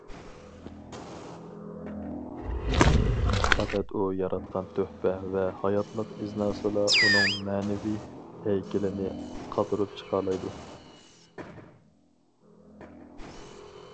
پەقەت ئۇ ياراتقان تۆھپە ۋە ھاياتلىق ئىزناسىلا ئۇنىڭ مەنىۋى ھەيكىلىنى قاتۇرۇپ چىقالايدۇ.